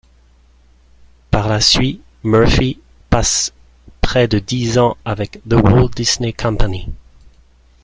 Par la suit, Murphy passe près de dix ans avec The Walt Disney Company.